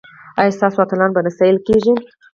ایا ستاسو اتلان به نه ستایل کیږي؟